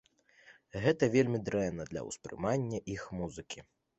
Гэта вельмі дрэнна для ўспрымання іх музыкі.